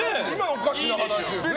おかしな話ですよね。